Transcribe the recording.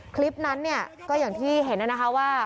คลิปนั้นเนี่ยก็อย่างที่เห็นนะคะว่า